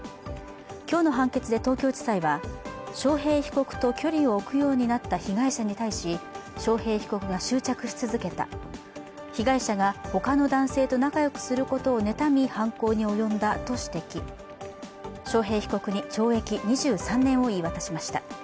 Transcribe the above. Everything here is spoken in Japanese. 今日の判決で東京地裁は章平被告と距離を置くようになった被害者に対し、章平被告が執着し続けた、被害者がほかの男性と仲よくすることをねたみ、犯行に及んだと指摘章平被告に懲役２３年を言い渡しました。